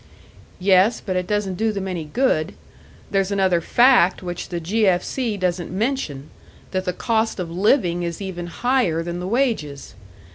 "Yes, but it doesn't do them any good. There's another fact which the 'G. F. C.' doesn't mention that the cost of living is even higher than the wages.